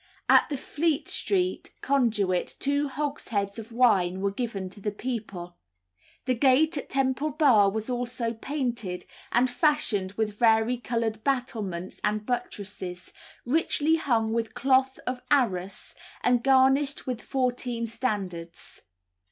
At the Fleet Street conduit two hogsheads of wine were given to the people. The gate at Temple Bar was also painted and fashioned with varicoloured battlements and buttresses, richly hung with cloth of arras, and garnished with fourteen standards.